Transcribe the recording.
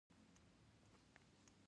د نومبر د لمر وړانګې له کړکۍ څخه راتلې.